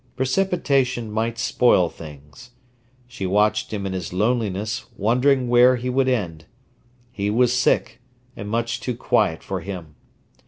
Precipitation might spoil things. She watched him in his loneliness, wondering where he would end. He was sick, and much too quiet for him.